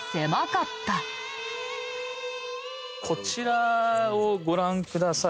こちらをご覧ください。